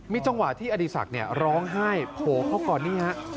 จังหวะที่อดีศักดิ์ร้องไห้โผล่เข้าก่อนนี่ฮะ